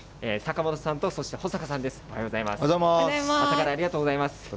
坂本さんと、そして保坂さんです。